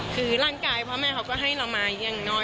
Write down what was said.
คือร่างกายพ่อแม่เขาก็ให้เรามาอย่างน้อย